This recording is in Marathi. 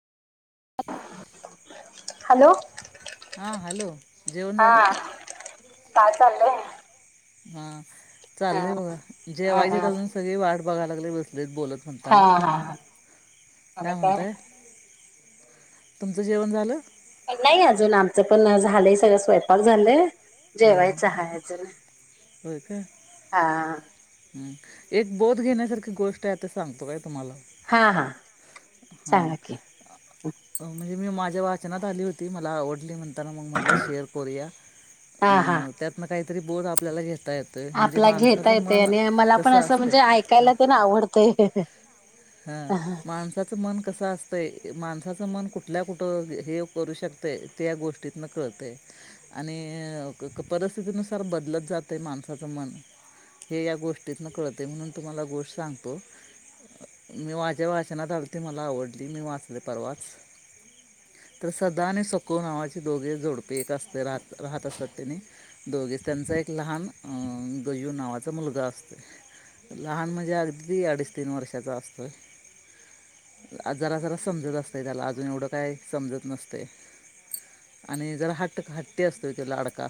हॅलो! हां हॅलो जेवण हा झालं. काय चालयं. हा चालय बघा, हा जेवायचे हा अजून सगळी वाट बघाय लागले बसलेत बोलत. हा म्हणताना, हा काय म्हणत? तुमचं जेवण झालं? नाही अजून आमचं पण झालंय सगळं स्वयंपाक झालंय. हं, जेवायच हा अजून, हा. हम एक बोध घेण्यासारखी गोष्ट आहे ते सांगतो काय तुम्हाला, हा हा हां सांगा कि, म्हणजे मी माझ्या वाचनात आली होती, मला आवडली म्हणताना मग म्हटलं शेअर करूया, हा हा. अं, त्यातनं काहीतरी बोध आपल्याला घेता येतो. आहे म्हणजे आपला घेता माणसाचं येते मन आणि मला पण कसं असं म्हणजे असते ऐकायला ते ना आवडतय. हा माणस मन कसं असतंय माणसाचं मन कुठल्या कुठ हे करू शकतंय. त्या गोष्टीत ना कळतय. आणि परिस्थितीनुसार बदलत जातं माणसाचं मन. हे या गोष्टीतन कळते म्हणून तुम्हाला गोष्ट सांगतो. मी माझ्या वाचनात आलतं मला आवडली मी वाचलयं परवाच. तर सदा आणि सकू नावाचे दोघे जोडपे एक असते राह राहत असत त्यानी दोघेच त्यांचा एक लहान अं गंयू नावाचा मुलगा असते. लहान म्हणजे अगदी अडीच तीन वर्षाचा असतोय. जरा जरा समजत असते त्याला अजून एवढं काय समजत नसतंय. आणि जरा हट्ट हट्टी असतो तो लाडका.